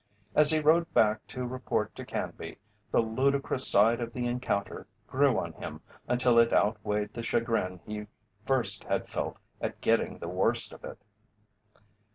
As he rode back to report to Canby, the ludicrous side of the encounter grew on him until it outweighed the chagrin he first had felt at getting the worst of it.